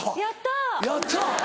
やった。